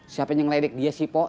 siapa yang ngeledek dia sih poh